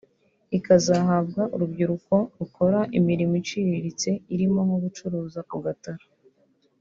ikazazahabwa urubyiruko rukora imirimo iciriritse irimo nko gucuruza ku gataro